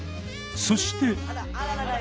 そして。